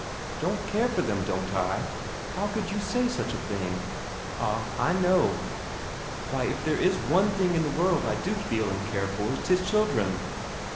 "Don't care for them, don't I? How could you say such a thing?" "Ah, I know...." "Why, if there's one thing in the world I do feel and care for, 'tis children."